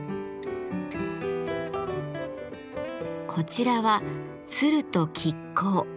こちらは「鶴と亀甲」。